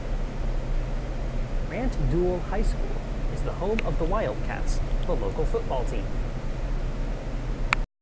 Grant-Deuel High School is the home of the Wildcats, the local football team.